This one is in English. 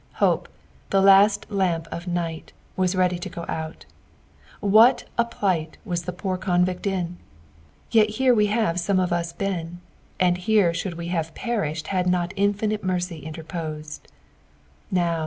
Hope, the last lamp of night, was ready to go out. Wliat a plight was the poor convict in I Yet nere we have some of us been ; and here should we nave perished had not infinite mercy interposed. Now.